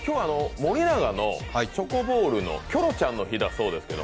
森永のチョコボールのキョロちゃんの日だそうです。